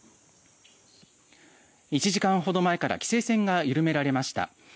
１時間ほど前から規制線が緩められました。